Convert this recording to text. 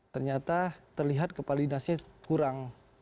ternyata terlihat kepala dinasnya kurang